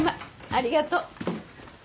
ありがとう